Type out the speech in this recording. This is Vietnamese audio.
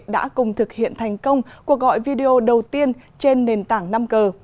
đã cùng thực hiện thành công cuộc gọi video đầu tiên trên nền tảng năm g